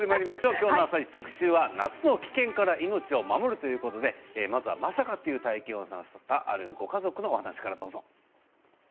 きょうの特集は夏の危険から命を守るということでまずは、まさかという体験をしたあるご家族の話からどうぞ。